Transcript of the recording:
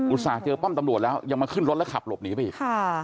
ส่าห์เจอป้อมตำรวจแล้วยังมาขึ้นรถแล้วขับหลบหนีไปอีก